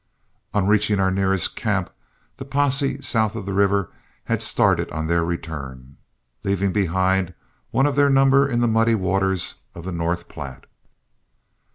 On reaching our nearest camp, the posse south of the river had started on their return, leaving behind one of their number in the muddy waters of the North Platte.